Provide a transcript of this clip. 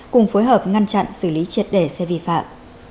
cùng phối hợp ngăn chặn xử lý triệt để xe vi phạm